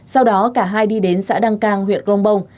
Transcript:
sau đó cả hai đi đến xã đăng cang huyện grongbong